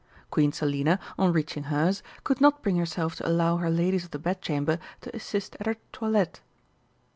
Queen Selina, on reaching hers, could not bring herself to allow her ladies of the Bedchamber to assist at her toilet.